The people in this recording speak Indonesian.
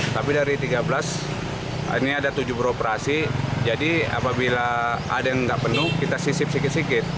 tapi dari tiga belas ini ada tujuh beroperasi jadi apabila ada yang tidak penuh kita sisip sikit sikit